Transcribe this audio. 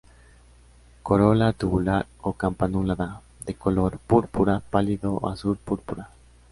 Corola tubular o campanulada, de color púrpura pálido o azul púrpura.